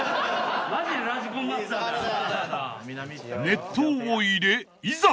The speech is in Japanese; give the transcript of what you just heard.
［熱湯を入れいざ！］